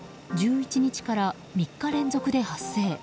１１日から３日連続で発生。